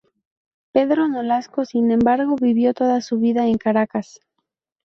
Pedro Nolasco, sin embargo, vivió toda su vida en Caracas.